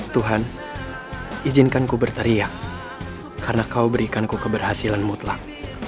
tuhan izinkanku berteriak karena kau berikanku keberhasilan mutlak